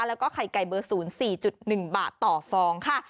แล้วก็ไข่ไก่เบอร์๐๔๑บาทต่อฟองค่ะ